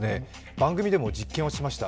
番組でも実験をしました。